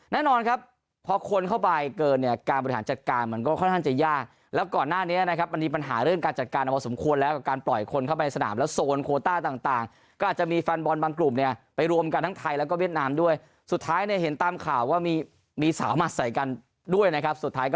แน่นอนครับพอคนเข้าไปเกินเนี่ยการบริหารจัดการมันก็ค่อนข้างจะยากแล้วก่อนหน้านี้นะครับมันมีปัญหาเรื่องการจัดการมาพอสมควรแล้วกับการปล่อยคนเข้าไปสนามแล้วโซนโคต้าต่างก็อาจจะมีแฟนบอลบางกลุ่มเนี่ยไปรวมกันทั้งไทยแล้วก็เวียดนามด้วยสุดท้ายเนี่ยเห็นตามข่าวว่ามีมีสาวหมัดใส่กันด้วยนะครับสุดท้ายก็